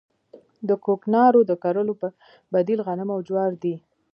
د کوکنارو د کرلو بدیل غنم او جوار دي